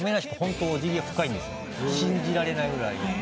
あの信じられないぐらい。